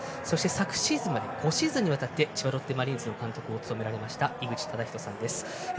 昨シーズンまで５シーズンにわたって千葉ロッテマリーンズの監督を務められました井口資仁さんです。